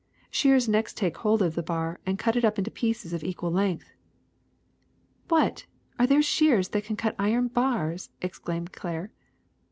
Shears next take hold of the bar and cut it up into pieces of equal length. '' Wliat! Are there shears that can cut iron barsf exclaimed Claire.